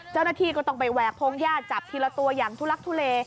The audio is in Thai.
เจ้าหน้าที่ก็ต้องไปแหวกพงญาติจับทีละตัวอย่างทุลักทุเล